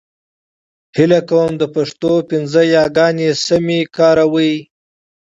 هيله کوم د پښتو پنځه يېګانې سمې کاروئ !